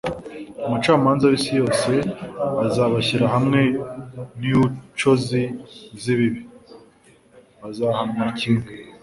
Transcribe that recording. Umucamanza w'isi yose azabashyira hamwe n'iucozi z'ibibi : Bazahanwa kimwe.